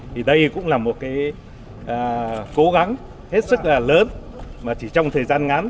thì đây cũng là một cái cố gắng hết sức là lớn mà chỉ trong thời gian ngắn